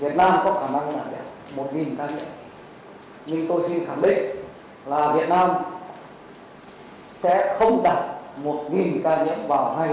việt nam có khả năng là một ca nhiễm nhưng tôi xin khẳng định là việt nam sẽ không đặt một ca nhiễm vào hay đó như trên thế giới